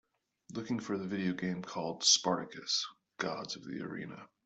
Looking for the video game called Spartacus: Gods of the Arena